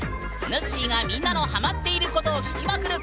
ぬっしーがみんなのハマっていることを聞きまくる